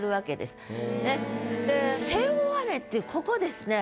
で「背負われ」っていうここですね。